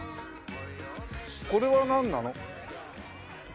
これはなんなの？